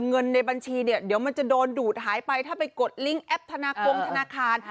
เงินในบัญชีเนี่ยเดี๋ยวมันจะโดนดูดหายไปถ้าไปกดลิงค์แอปธนาคมธนาคาร